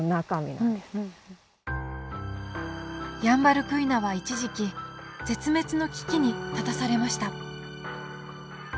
ヤンバルクイナは一時期絶滅の危機に立たされました。